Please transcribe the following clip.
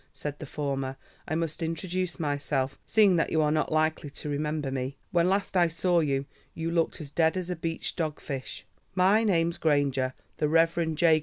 said the former. "I must introduce myself, seeing that you are not likely to remember me. When last I saw you, you looked as dead as a beached dog fish. My name's Granger, the Reverend J.